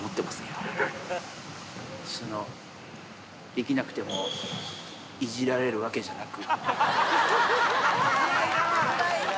できなくても、いじられるわけじゃなく。